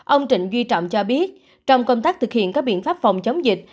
ông trịnh duy trọng cho biết trong công tác thực hiện các biện pháp phòng chống dịch